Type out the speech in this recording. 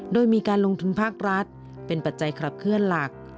โดยมีการลงทุนภาครัฐเป็นปัจจัยขับเคลื่อนหลัก